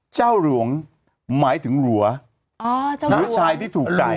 เจ้าหลวงหมายถึงหลัวหรือชายที่ถูกใจ